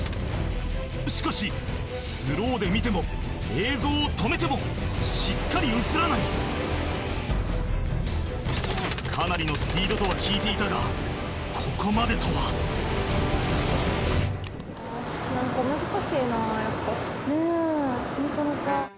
しかしスローで見ても映像を止めてもしっかり映らないかなりのスピードとは聞いていたがここまでとはねぇなかなか。